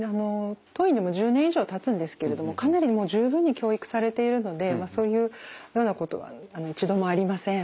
当院でも１０年以上たつんですけれどもかなり十分に教育されているのでそういうようなことは一度もありません。